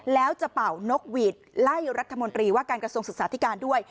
แล้วจะเป่านกหวีดไล่รัฐมนตรีว่าการกระทรวงศึกษาธิการด้วย